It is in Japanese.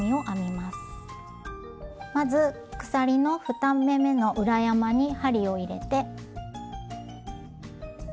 まず鎖の２目めの裏山に針を入れて。